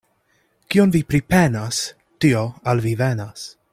Kion vi pripenas, tio al vi venas.